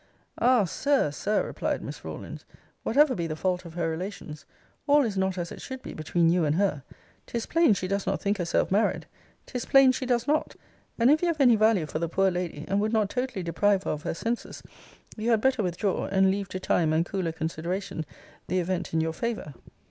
Ah! Sir, Sir, replied Miss Rawlins, whatever be the fault of her relations, all is not as it should be between you and her. 'Tis plain she does not think herself married: 'tis plain she does not: and if you have any value for the poor lady, and would not totally deprive her of her senses, you had better withdraw, and leave to time and cooler consideration the event in your favour.